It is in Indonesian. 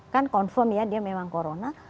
kan confirm ya dia memang corona